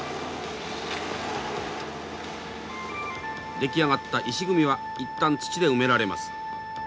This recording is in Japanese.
出来上がった石組みは一旦土で埋められます。